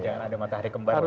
jangan ada matahari kembar